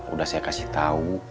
udah saya kasih tau